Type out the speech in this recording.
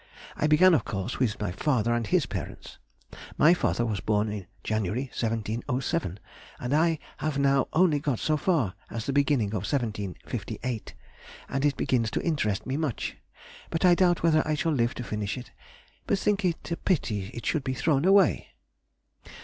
I began, of course, with my father and his parents. My father was born in January, 1707, and I have now only got so far as the beginning of 1758, and it begins to interest me much, but I doubt whether I shall live to finish it, but think it a pity it should be thrown away.